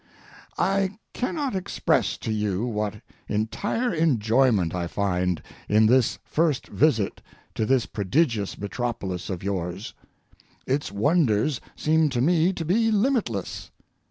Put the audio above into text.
I cannot express to you what entire enjoyment I find in this first visit to this prodigious metropolis of yours. Its wonders seem to me to be limitless.